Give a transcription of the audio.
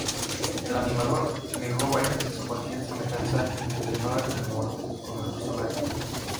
El animador negó varias veces cualquier semejanza intencionada con el personaje.